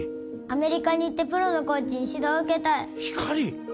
アメリカに行ってプロのコーチに指導を受けたいひかり！？